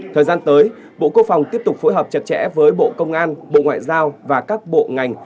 thời gian tới bộ quốc phòng tiếp tục phối hợp chặt chẽ với bộ công an bộ ngoại giao và các bộ ngành